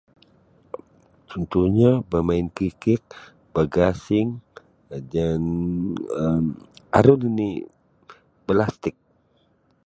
Contohnya bermain kikik, bagasing dan um aru nini balastik.